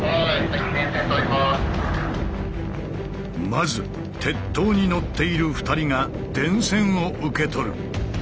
まず鉄塔に乗っている２人が電線を受け取る。